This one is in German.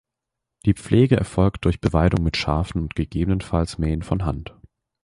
Die Pflege erfolgt durch Beweidung mit Schafen und gegebenenfalls Mähen von Hand.